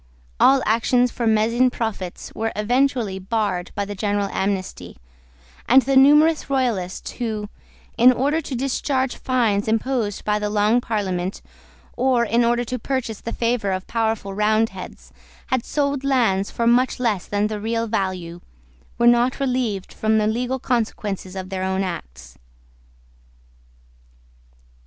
All actions for mesne profits were effectually barred by the general amnesty; and the numerous Royalists, who, in order to discharge fines imposed by the Long Parliament, or in order to purchase the favour of powerful Roundheads, had sold lands for much less than the real value, were not relieved from the legal consequences of their own acts.